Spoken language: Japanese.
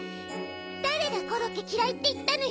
だれがコロッケきらいっていったのよ。